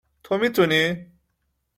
تو میتونی